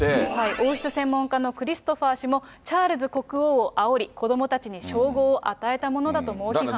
王室専門家のクリストファー氏も、チャールズ国王をあおり、子どもたちに称号を与えたものだと猛批判しています。